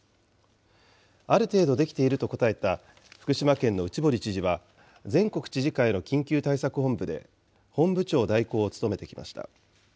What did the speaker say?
ある程度できていると答えた、福島県の内堀知事は、全国知事会の緊急対策本部で、本部長代行を務めてきました。